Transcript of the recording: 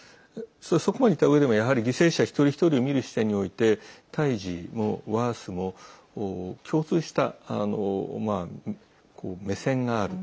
そこまで言ったうえでもやはり犠牲者一人一人を見る視点において「対峙」も「ワース」も共通した目線がある。